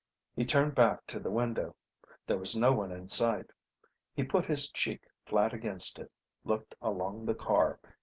He turned back to the window. There was no one in sight. He put his cheek flat against it, looked along the car.